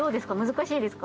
難しいですか？